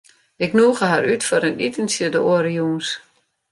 Ik nûge har út foar in itentsje de oare jûns.